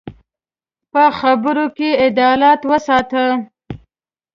په خبرو کې عدالت وساته